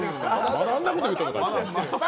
まだあんなこと言うとんのか、あいつ。